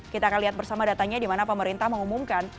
kita akan lihat bersama datanya di mana pemerintah mengumumkan